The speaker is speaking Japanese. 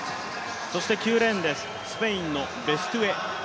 そして９レーンです、スペインのベストゥエ。